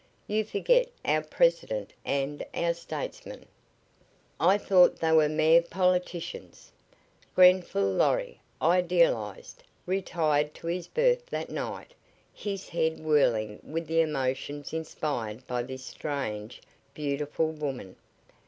"You forget our president and our statesmen." "I thought they were mere politicians." Grenfall Lorry, idealized, retired to his berth that night, his head whirling with the emotions inspired by this strange, beautiful woman.